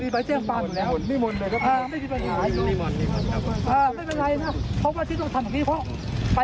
เพราะมันไม่ได้มีประสุทธิ